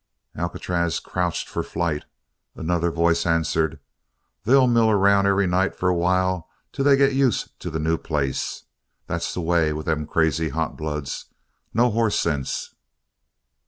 Alcatraz crouched for flight. Another voice answered: "They'll mill around every night for a while till they get used to the new place. That's the way with them crazy hot bloods. No hoss sense."